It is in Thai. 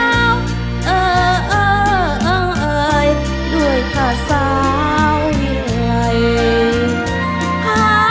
นางเดาเรืองหรือนางแววเดาสิ้นสดหมดสาวกลายเป็นขาวกลับมา